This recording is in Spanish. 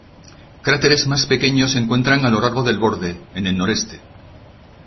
Cráteres más pequeños se encuentran a lo largo del borde en el noreste.